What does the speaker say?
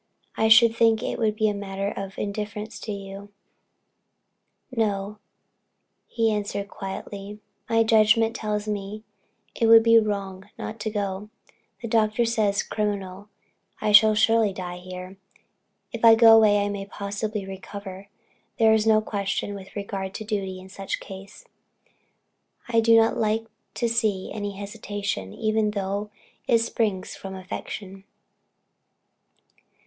I should think it would be a matter of indifference to you." "No," he answered quietly, "my judgment tells me it would be wrong not to go the doctor says criminal. I shall certainly die here if I go away, I may possibly recover. There is no question with regard to duty in such a case; and I do not like to see any hesitation, even though it springs from affection."